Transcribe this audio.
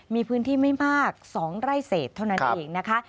มีพื้นที่ไม่มาก๒ไร่เศษเท่านั้นเองนะคะ